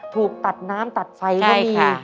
ถูกตัดน้ำตัดไฟก็มี